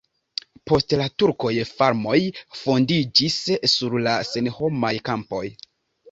Post la turkoj farmoj fondiĝis sur la senhomaj kampoj.